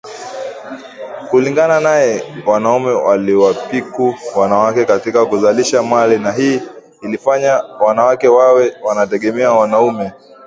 Kulingana naye wanaume waliwapiku wanawake katika kuzalisha mali na hii ilifanya wanawake wawe wanategemea wanaume